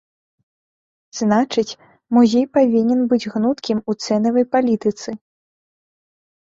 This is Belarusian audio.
Значыць, музей павінен быць гнуткім у цэнавай палітыцы.